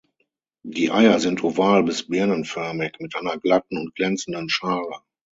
Die Eier sind oval bis birnenförmig mit einer glatten und glänzenden Schale.